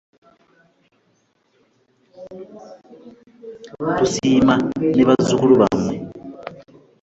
Tusiima ne bazzukulu bammwe